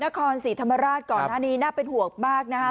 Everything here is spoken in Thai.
นครศรีธรรมราชก่อนหน้านี้น่าเป็นห่วงมากนะคะ